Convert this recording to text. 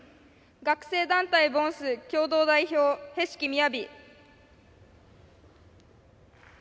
学生団体ＶＯＮＳ共同代表平敷雅。